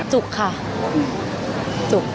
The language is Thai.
จุกค่ะจุก